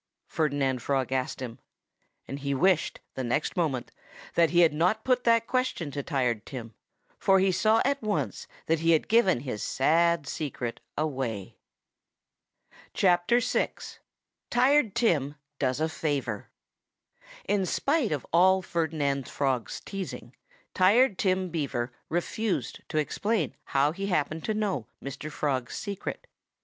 Ferdinand Frog asked him. He wished, the next moment, that he had not put that question to Tired Tim. For he saw at once that he had given his sad secret away. VI TIRED TIM DOES A FAVOR In spite of all Ferdinand Frog's teasing, Tired Tim Beaver refused to explain how he happened to know Mr. Frog's secret.